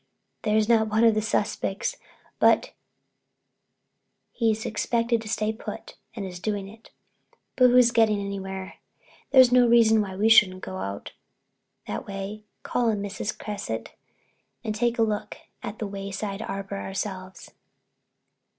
There's not one of the suspects but knows he's expected to stay put and is doing it. But who's getting anywhere? There's no reason why we shouldn't go out that way, call on Mrs. Cresset, and take a look in at the Wayside Arbor ourselves."